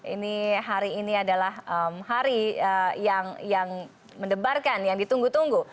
ini hari ini adalah hari yang mendebarkan yang ditunggu tunggu